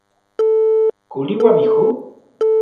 ¿Kulíwami ju?